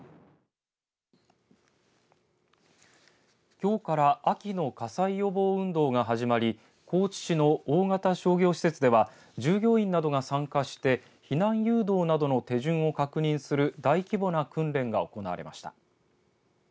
きょうから秋の火災予防運動が始まり高知市の大型商業施設では従業員などが参加して避難誘導などの手順を確認する大規模な訓練が行われました。